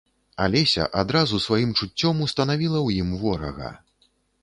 Алеся адразу сваім чуццём устанавіла ў ім ворага.